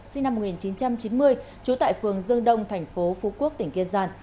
sinh năm một nghìn chín trăm chín mươi trú tại phường dương đông thành phố phú quốc tỉnh kiên giang